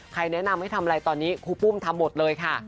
แนะนำให้ทำอะไรตอนนี้ครูปุ้มทำหมดเลยค่ะ